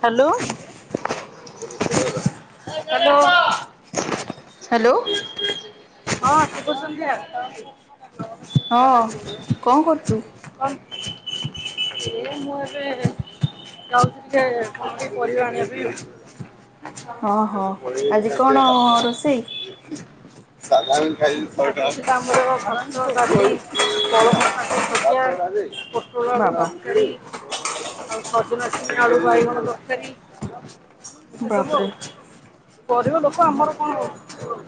Hello. Hello [inaudible] ହଁ ଶୁଭସନ୍ଧ୍ୟା। ହ ହଁ କଣ କରୁଚୁ? ସେ ମୋ ଏବେ ଯାଉଚି ଘରେ କଣ ଟିକେ ପରିବା ଆଣିବାପାଇଁ ହଁ ହଁ ଆଜି କଣ ରୋଷେଇ? [unintelligible] କଳମ ଶାଗ ଭଜା। ପୋଟଳ ଆଳୁ ତରକାରି। ଆଉ ବାବା ସଜନା ଛୁଇଁ ଆଳୁ ବାଇଗଣ ତରକାରି ସେ ସେ ବାପରେ ତ କଉଛି। ଗରିବ ଲୋକ ଆମର କଣ ହ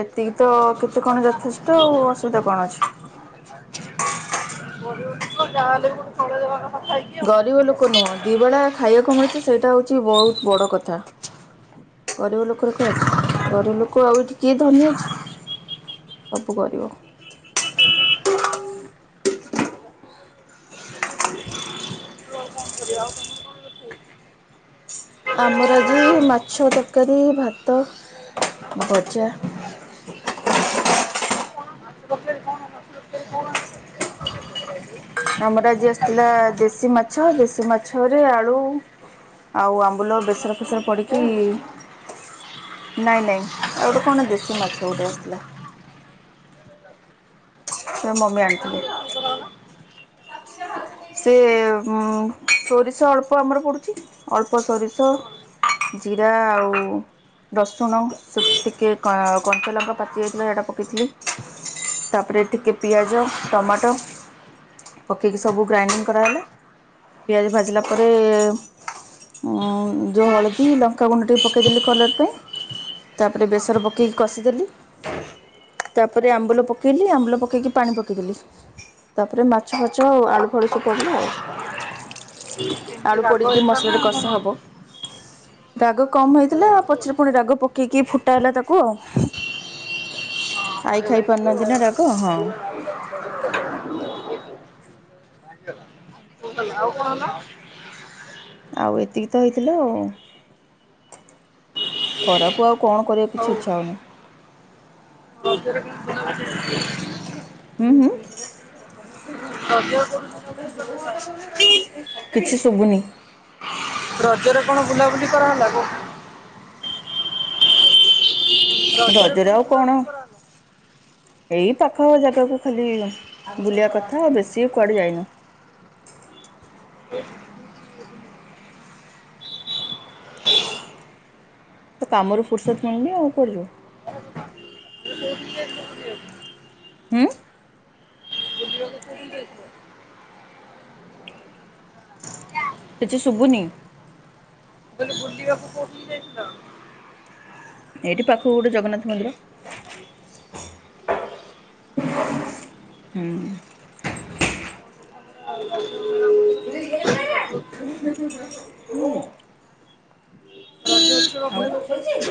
ଏତିକି ତ କେତେ କଣ ଯଥେଷ୍ଟ ଅସୁବିଧା କଣ ଅଛି। [inaudible] ଗରିବ ଲୋକ ଯାହାହଲେ ଚଳେଇ ଦେବା କ ଗରିବ ଲୋକ ନୁହଁ ଦିିବଳା ଖାଇବାକୁ ମିଳୁଛି ସେଇଟା ହଉଛି ବହୁତ ବଡ କଥା। ଗରିବ ଲୋକର କଣ ଅଛି ଗରିବ ଲୋକ ଆଉ ଏଠି କିଏ ଧନୀ ଅଛି। ସବୁ କରିବ। [unintelligible] ଆମର ଆଜି ମାଛ ତରକାରୀ ଭାତ ଭଜା। ଆମର ଆଜି ଆସିଥିଲା ଦେଶୀ ମାଛ ଦେଶୀ ମାଛରେ ଆଳୁ ଆଉ ଆମ୍ବୁଲ ବେସର ଫେସର ପଡିକି [inaudible] ନାଇଁ ନାଇଁ ଆଉ ଗୋଟେ କଣ ଦେଶୀ ମାଛ ଗୋଟେ ଆସିଥିଲା। [inaudible] ସେ ମମି ଆଣିିଥିଲେ। ସେ ସୋରିଷ ଅଳ୍ପ ଆମର ପଡ଼ୁଛି ଅଳ୍ପ ସୋରିଷ ଜିରା ଆଉ ରସୁଣ ସେ ଟିକେ କଞ୍ଚା ଲଙ୍କା ପାଚି ଯାଇଥିଲା ସେଟା ପକେଇଥିଲି। ତାପରେ ଟିକେ ପିଆଜ ଟମାଟୋ। ପକେଇକି ସବୁ ଗ୍ରାଇଣ୍ଡିଙ୍ଗ କରାହେଲା ପିଆଜ ଭାଜିଲା ପରେ ଉଁ ଯେଉଁ ହଳଦୀ ଲଙ୍କାଗୁଣ୍ଡ ଟିକେ ପକେଇଦେଲି କଲର୍ ପାଇଁ ତାପରେ ବେସର ପକେଇକି କଷିଦେଲି ତାପରେ ଆମ୍ବୁଲ ପକେଇଲି ଆମ୍ବୁଲ ପକେଇକି ପାଣି ପକେଇଦେଲି। ତାପରେ ମା ଛଛ ଆଳୁ ଫଳୁ ସବୁ ପଡ଼ିଲା ଆଉ। ଆଳୁ ପଡ଼ିକିରି ହେଇଥିଲା ନା ମସଲାରେ କଷା କଣ? ହବ। ରାଘବ କମ୍ ବଢିଆ ହେଇଥିଲା ଆଉ ଲାଗିଥିବ। ପଛରେ ପୁଣି ରାଗ ପକେଇକି ଫୁ ହେଲା ତାକୁ ଆଉ ହଁ [inaudible] ଆଇ ଖାଇ ପାରୁନାହାନ୍ତି ନା ରାଗ ହଁ [unintelligible] ଆଉ କଣ ନା। ଆଉ ଏତିକି ତ ହେଇଥିଲ ଆଉ। ଖରାକୁ ଆଉ କଣ କରିବାକୁ କିଛି ହଉ ଇଚ୍ଛା ହଉନି। [inaudible] ରଜରେ କେମିତି ବୁଲାବୁଲି ହୁ ହୁଁ [unintelligible] କିଛି ଶୁଭୁନି? ରଜରେ କଣ ବୁଲାବୁଲି କରା ହେଲା? ରଜରେ କୋଉଠି ଆଉ ବୁଲା କଣ ବୁଲି କରନ୍ତି। ଏଇ ପାଖ ଜାଗାକୁ ଖାଲି ବୁଲିବା କଥା ଆଉ ବେଶୀ କୁଆଡେ ଯାଇନୁ। [inaudible] ତ କାମରୁ ଫୁରର୍ସତ ମିଳୁନି ଆଉ କୁଆଡେ ଯିବ। କୋଉଠିକି ଯାଇଥିଲ ବୁଲିବାକୁ? ହୁଁ। ବୁଲିବାକୁ କୋଉଠିକି ଯାଇଥିଲ? କିଛି ଶୁବୁନି। ମୁଁ କହିଲି ବୁଲିବାକୁ କୋଉଠିକି ଯାଇଥିଲ? ଏଇଠି ପାଖକୁ ଗୋଟେ ଜଗନ୍ନାଥ ମନ୍ଦିର। [inaudible] ହୁଁ ହୁଁ ଆଉ [unintelligible]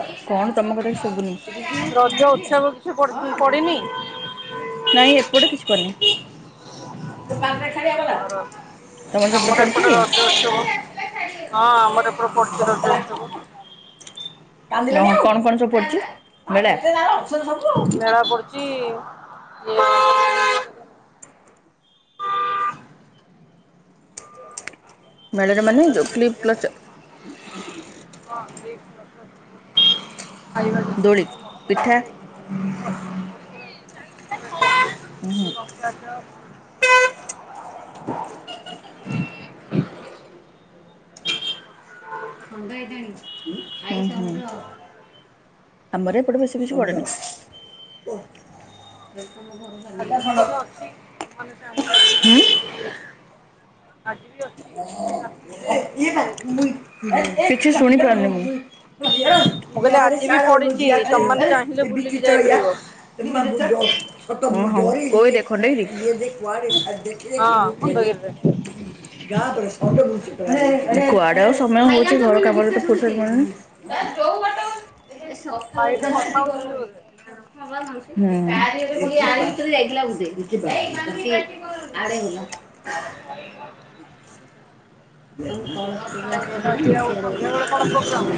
କଣ ତମ କଥା କିଛି ଶୁବୁନି? ଉତ୍ସବ କିଛି ପଡି ପଡିନି? ନାଇ ଏପଟେ କିଛି ପଡିନି। [unintelligible] ସେପଟେ ଆମର ପଡିଛି ଏପଟେ କି? ରଜ ଉତ୍ସବ ହଁ ଆମର ଏପଟେ ହଁ ପଡ଼ିୁଛି ରଜ ଉତ୍ସବ। କଣ କଣ ସବୁ ପଡୁଛି ବେଳେ ମେଳା ପଡୁଛି। [inaudible] ମେଳା ରେ ଯୋଉ ମାନେ କ୍ଲିପ୍ କ୍ଲଚର୍ [inaudible] ପାଇଗଲି। ଦୋଳି ପିଠା। ହୁଁ। [inaudible] ହୁଁ ଆମର ଏପଟେ ବେଶୀ କିଛି ପଡେନି। ହୁଁ। [unintelligible] ଆଜି ବି ଅଛି। [unintelligible] ମାନେ କିଛି ଆସିଲେ ବୁଲିକି ଶୁଣି ଯାଇଥିଲେ। ପାରୁନି ମୁଁ ଇ ଆଡେ ସେ ମୁଁ କହିଲି ଆଜି ବି ଆଡେ ପଡିଛି ଓହ୍ଲାଇଛି ତମମାନେ ଚାହିଁଲେ ଇଏ ବୁଲିକି ବିଚିତ୍ର ଯାଇପାରିବ। ଇ ଆ ହ ହଁ କହିଦେ ଖଣ୍ଡେଇବି ଆଉ ଦେଖିଲେ ହଁ କି ବହୁତ ଆଇଲେ ଖଣ୍ଡଗିରିରେ କୁଆଡେ ଆଉ ସମୟ ହଉଛି ଘର କାମରେ ତ ଫୁରସତ୍ ମିଳୁନି। ହେ ସଫା ରଫା ସାଇଡରେ କଥା ହେତିକି କର ହଉଛନ୍ତି ନି। ବୋଧେ। [unintelligible] [unintelligible] ମନେ ଅଛି ଆଉ ସନ୍ଧ୍ୟା ବେଳେ କଣ ପ୍ରୋଗ୍ରାମ?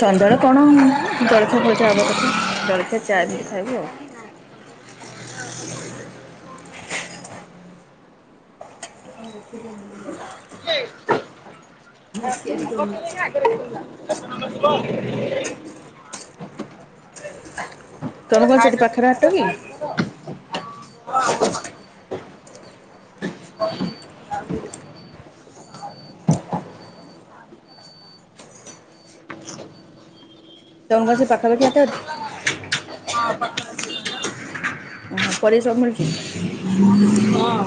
ସନ୍ଧ୍ୟାବେଳେ କଣ ଜଳଖିଆ ଫଳଖିଆ ହବା କଥା ଜଳଖିଆ ଚା ବି ଖାଇବୁ ଆଉ। [inaudible] ହଁ ବଢିଆ ବଢିଆ ବଢିଆ ସୁନ୍ଦର [unintelligible] ତମ ଘର ପଛ ପାଖରେ ହାଟ କି? କରିଚ। ତମ ସେ ପାଖାପାଖି ହାଟ ଅଛି। ଓହୋ ପରେ ସବୁ ମିଳୁଛି।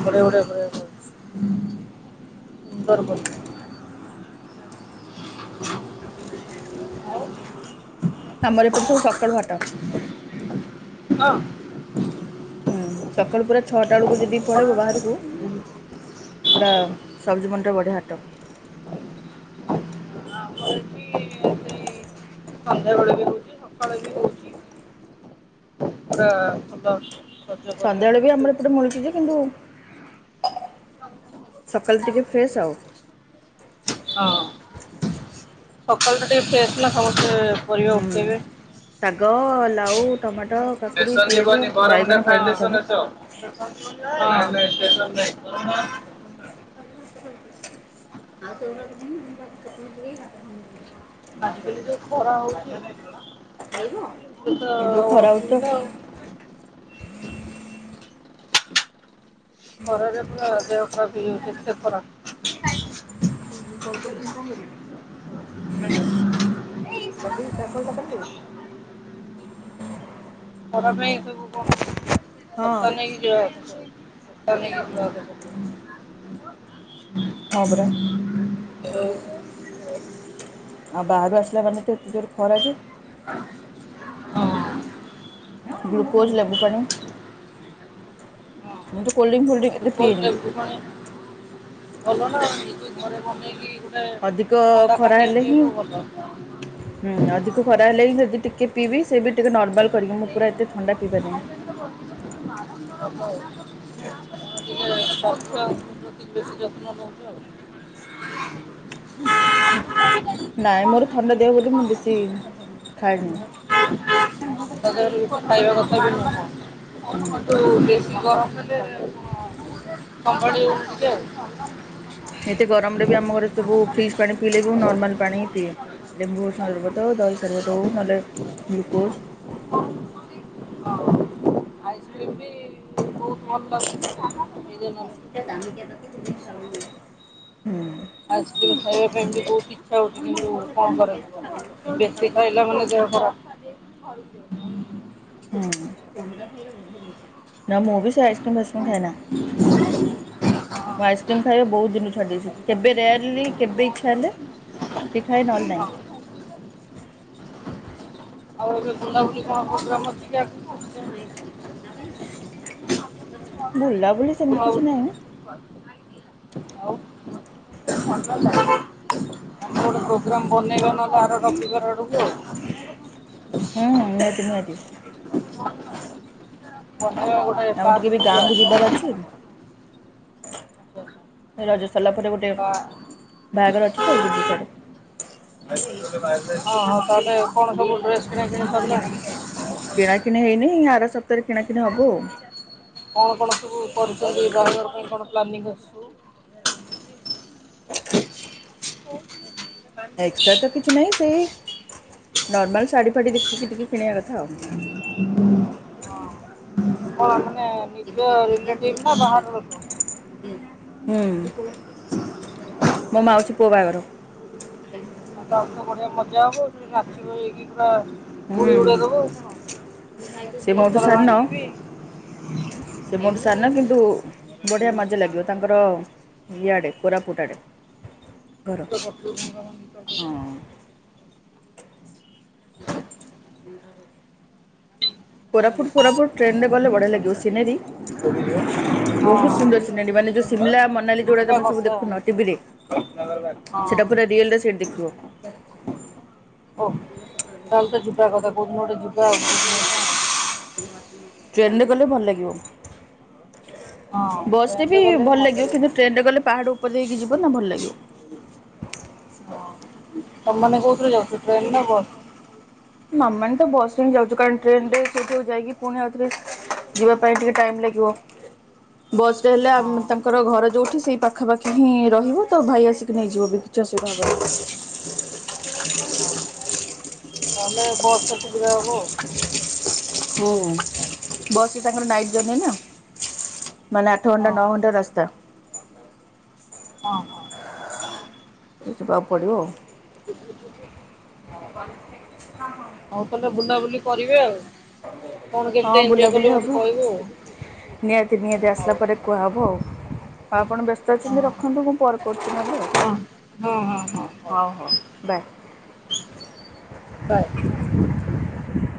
ବଡ଼େ ବଡ଼େ କରେ ସଜ ସୁନ୍ଦର ବନ। ଆମର ପୁଟୋଲ ପଖାଳ ଭାତ ହୁଁ ସକାଳୁ ପୁରା ଛଅଟା ବେଳକୁ ଯଦି ପଳେଇବ ବାହାରକୁ ପୁରା ସବଜି ମଣ୍ଡି ବଢ଼ିଆ ହାଟ। ଏଠି ସେଇ ସନ୍ଧ୍ୟାବେଳେ ବି ହଉଛି ସକାଳେ ବି ହଉଛି ପୁରା ଭଲ ସଜ ପରିବା ସନ୍ଧ୍ୟାବେଳେ ବି ମିଳୁଛି ଆମର ଆଉ। ଏ ପଟେ ମିଳିୁଛି ଯେ କିନ୍ତୁ ସକାଳୁ ଟିକେ ଫ୍ରେସ ଆଉ ସକାଳ ଟିକେ ଫ୍ରେସ ନା ସମସ୍ତେ ପରିବା ହୁଁ ଉଠେଇବେ। ତାଙ୍କ ହଁ ଲାଉ ଟମା ଷ୍ଟେସନ ଯିବ ନି ବରମୁଣ୍ଡା ସବୁ। ଫାଉଣ୍ଡେସନ ଆସ ନାଇ ନାଇ ଷ୍ଟେସନ ନାଇ। [unintelligible] ଆଜିକାଲି ଯଉ ଖରା ହୋଉ ଏ ଯୋଉ ଖରା [unintelligible] ତ ହଉଛି ଖରାରେ ପୁରା ଦେହ ଖରାପ ହେଇଯାଉଛି ହେତେ ଖରା। [unintelligible] [unintelligible] [inaudible] ଖରା ପାଇଁ ଭୁବନ ଛତା ନେଇକି ଯିବାଭାରୀ। [unintelligible] ହଁ ବରା। ଆଉ ବାହାରୁ ଆସିଲା ମାନେ ତ ଏତେ ଜୋରେ ଖରା ଯେ ହଁ। ଗ୍ଲୁକୋଜ ଲେମ୍ବୁ ପାଣି। ମୁଁ ତ କୋଲ୍‌ଡିଙ୍କ ଫୋଲ ଗ୍ଲୁକୋଜ ଲେମ୍ବୁ ପାଣି ଭଲ ନା ଘରେ ବନେଇକି ଗୋଟେ ଅଧିକ ଥଣ୍ଡା ଖରା ପାନୀୟ ହେଲେ ହିଁ ପିଇବୁ ଭଲ ହୁଁ ଅଧିକ ଖରା ହେଲେ ହିଁ ଯଦି ଟିକେ ପିବି। [unintelligible] ପିଇବା ନାହିଁ। ସ୍ୱାସ୍ଥ୍ୟ ପ୍ରତି ବେଶୀ ଯତ୍ନ ନଉଚୁ ଆଉ। ନାଇଁ ମୋର ଥଣ୍ଡା ଦେହ ବୋଲି ମୁଁ ବେଶୀ ଖାଏନି। ତଥାବି କିଛି ଖାଇବା କଥା ବି ହୁଁ ନୁହଁ। ତୁ ବେଶୀ ଗରମ ପାଣି [unintelligible] ହେନ୍ତି ଗରମରେ ବି ଆମ ଘରେ ସବୁ ଫ୍ରିଜ୍ ପାଣି ପିଇଲେ ବି ନର୍ମାଲ ପାଣି ହି ପିଏ ଲେମ୍ବୁଣ ସର୍ବତ ହଉ ଦହି ସର୍ବତ ହଉ ନହେଲେ ଗ୍ଲୁକୋଜ। ଆଇସ୍କ୍ରିମ୍ ବି ବହୁତ ଭଲ ଲାଗୁଚି। [unintelligible] ଆସ୍କ୍ରିମ୍ ଖାଇବା ପାଇଁବି ବହୁତ ଇଚ୍ଛା ହଉଛି କିନ୍ତୁ କଣ କରାଜିବ ବେଶୀ ଖାଇଲା ମାନେ ଦେହ ଖରାପ୍ [unintelligible] ହୁଁ। ନା ମୁଁ ବି ସେ ଆଇସ୍କ୍ରିମ ଫାଇସ୍କ୍ରିମ୍ ଖାଏନା ମୁଁ ଆଇସ୍କ୍ରିମ୍ ଖାଇବା ବହୁତ ଦିନୁରୁ କରିଦେଇଚି କେବେ ରେୟାଲଲି କେବେ ଇଛା ହେଲେ କି ଖାଏ ନହେଲେ ନାହିଁ। ଆଉ ଏବେ ବୁଲାବୁଲି କଣ ପୋଗ୍ରାମ ଅଛି କି ଆଗକୁ। [unintelligible] ବୁଲା ବୁଲି ସେମିତି କିଛି ବୁଲାବୁଲି ନାଇଁ। ଆଉ [inaudible] [unintelligible] ଆମେ ଗୋଟେ ପ୍ରୋଗ୍ରାମ ବନେଇବା ନହେଲେ। ଆର ରବିବାର ଆଡକୁ ଆଉ। ହୁଁ ନିହାତି ନିହାତି। ବ ହଁ ଗୋଟେ ଆମର ଟିକେ ବି ପାର୍କକୁ ଗାଁକୁ ଯିବାର ଅଛି ଯିବା? ରଜ ସରିଲା ପରେ ଗୋଟେ ବା ବାହାଘର ଅଛି ତ ଯିବୁ ସିଆଡେ। ହଁ [inaudible] ହଁ ତାହେଲେ କଣ ସବୁ ଡ୍ରେସ୍ କିଣ ସରିଲାଣି? କିଣାକିଣି ହେଇନି ଆର ସପ୍ତାହରେ କିଣା କିି ହବୁ ଆଉ। କଣ କଣ ସବୁ କରିଚାରଲି ବାରମ୍ବାର ପାଇଁ କଣ? ପ୍ଲାନି କରିଛୁ। ହୁଁ। ଏକ୍ସଟ୍ରା ତ କିଛି ନାହିଁ ସେଇ ନର୍ମାଲ ଶାଢ଼ୀ ଫାଢ଼ ଦେଖିକି ଟିକେ କିଣିବା କଥା ଆଉ। କଣ ମାନେ ନିଜ ଦିଦି ରିଲେଟିଭ୍ ଦିଦି ନା ଦିଦି ବାହାର ଲୋକ? ହୁଁ ମୋ ମାଉସି ପୁଅ ବାହାଘର। ଆଉ ଆଉ ବଢିଆ ମଜା ହବ ଆଉ ନାଛିଇକି ପୁରା ବୁଡି ବୁଡେଇ ହୁଁ ଦବୁ କଣ ସେ ମୋଠୁ ପତର ସାନ ଭାଣିକି [inaudible] ବଢିଆ ମଜା ଲାଗିବ ତାଙ୍କର ଇଆଡେ କୋରାପୁଟ ଆଡେ [unintelligible] [unintelligible] କୋରାପୁଟ କୋପ ଟ୍ରେନରେ ଗଲେ ବଢିଆ ଲାଗିବ ସିନେରୀ ବହୁତ ସୁନ୍ଦର ସିନେରୀ ମାନେ ଯୋଉ ସିମଲା ମନାଲି ଯୋଉଟା ଯିବା ତମେ ସବୁ କଥା ହଁ ଦେଖୁନ ଟିଭିରେ ସେଟା ପୁରା ରିଏଲେ ଦେଖିବ। ଓ। ତାହେଲେ ତ ଯିବା କଥା [unintelligible] ଟ୍ରେନରେ ଗଲେ ଭଲ ଲାଗିବ। ହଁ ବସଟେ ଟ୍ରେନରେ ବି ଗଲେ ଭଲ ମଜା ଲାଗିବ ଲାଗେ କିନ୍ତୁ ଟ୍ରେନରେ ଗଲେ ପାହାଡ ଉପରେ ହେଇକି ଯିବ ନା ଭଲ ଲାଗିବ। ତମାନୋନେ କୋଉଥିରୁ ଯାଉଛୁ ଟ୍ରେନ ନାଁ ବସ? ମାମାନ ତ ବସ ରେ ହିଁ ଯାଉଛ କାରଣ ଟ୍ରେନରେ ସେଇଠକୁ ଯାଇକି ପୁଣି ଆଉରେ ଯିବା ପାଇଁ ଟିକେ ଟାଇମ ଲାଗିବ ବସ ରେ ହଁ ହେଲେ ତାଙ୍କର ଘର ଯୋଉଠି ସେଇ ପାଖାପାଖି ହିଁ ରହିବ ତ ଭାଇ ଆସିକି ନେଇଯିବ ବି କିଛି ଅସୁବିଧା ଭାବ [inaudible] ହଁ ତାହେଲେ ବସ୍ ତ ସୁବିଧା ହବ ଆଉ। ହୁଁ ବସ ରେ ତାଙ୍କର ନାଇଟ୍ ଜଣି ନା ମାନେ ଆଠ ଘଣ୍ଟା ନଅ ଘଣ୍ଟା ରାସ୍ତା ହଁ। କି ଯିବାକୁ ପଡିବ ଆଉ ହଉ ତାହେଲେ ବୁଲାବୁଲି କରିବେ ଆଉ କଣ କେମିତି ହଁ ଏଞ୍ଜୟ କଲେ ବୁଲାବୁଲି ମତେ ହବ କହିବୁ ଆଉ। ନିହାତି ନିହାତି ହଉ ଆସିଲା ପରେ କୁହାହବ ଆଉ ଆପଣ ବ୍ୟସ୍ତ ହଁ ଅଛନ୍ତି। ରଖନ୍ତୁ ମୁଁ କଲ କରୁଛି ନେବ ହଁ ହଁ ହଁ ଆଉ ହଁ ହ ହଉ ହଉ ବାଏ। ବଏ। ହଁ।